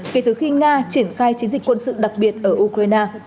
kể từ khi nga triển khai chiến dịch quân sự đặc biệt ở ukraine